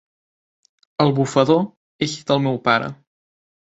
El bufador és del meu pare.